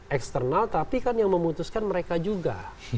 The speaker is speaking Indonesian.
eksternal tapi kan yang memutuskan mereka juga